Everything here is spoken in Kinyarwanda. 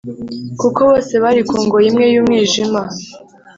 kuko bose bari ku ngoyi imwe y’umwijima.